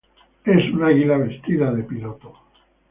Es un águila vestida de piloto.